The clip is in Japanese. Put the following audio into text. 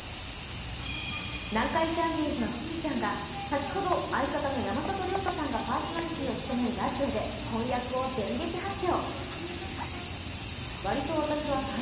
南海キャンディーズのしずちゃんが先ほど相方の山里亮太さんがパーソナリティーを務めるラジオで婚約を電撃発表。